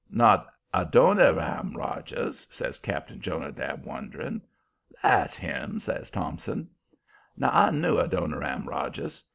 "Not Adoniram Rogers?" says Cap'n Jonadab, wondering. "That's him," says Thompson. Now, I knew Adoniram Rogers.